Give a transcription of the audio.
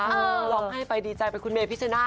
ร้องให้ไปดีใจไปคุณเมย์พิชานาศ